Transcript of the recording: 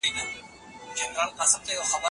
فارابي ليکي چي انسانان بايد سره مينه وکړي.